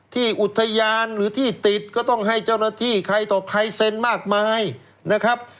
ที่อุทยานหรือที่ติดก็ต้องให้เจ้าหน้าที่ใครต่อใครเซ็นมากมายนะครับ